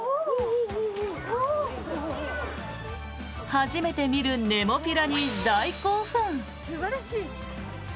初めて見るネモフィラに大興奮。